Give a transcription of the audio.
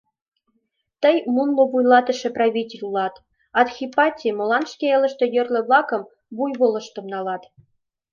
Тый мунло вуйлатыше правитель улат, Адхипатти, — молан шке элыште йорло-влакын буйволыштым налат?